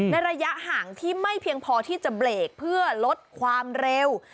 ระยะห่างที่ไม่เพียงพอที่จะเบรกเพื่อลดความเร็ว